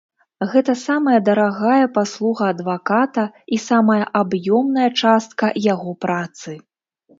Гэта самая дарагая паслуга адваката і самая аб'ёмная частка яго працы.